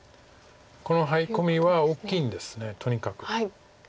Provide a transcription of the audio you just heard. このハイコミは大きいんですとにかく。